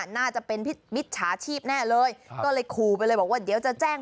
น่าจะเป็นมิจฉาชีพแน่เลยก็เลยขู่ไปเลยบอกว่าเดี๋ยวจะแจ้ง